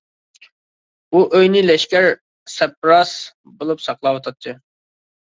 ئۇ ئۆينى لەشكەر سەپراس بولۇپ ساقلاۋاتاتتى.